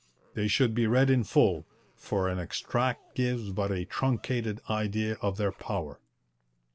They should be read in full, for an extract gives but a truncated idea of their power.